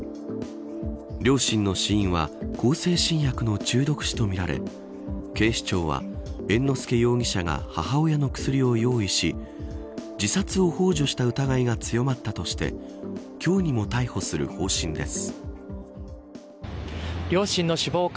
両親の死因は向精神薬の中毒死とみられ警視庁は、猿之助容疑者が母親の薬を用意し自殺をほう助した疑いが強まったとして今日にも逮捕する方針です。